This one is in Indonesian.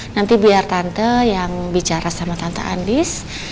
nanti biar tante yang bicara sama tante andis